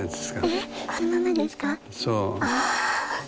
ああ。